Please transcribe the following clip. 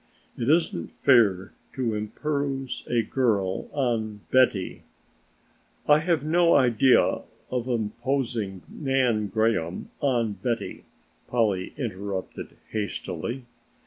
It isn't fair to impose a girl on Betty " "I have no idea of imposing Nan Graham on Betty," Polly interrupted hastily.